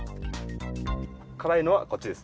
辛いのはこっちです。